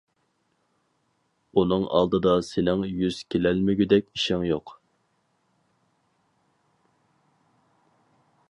ئۇنىڭ ئالدىدا سېنىڭ يۈز كېلەلمىگۈدەك ئىشىڭ يوق!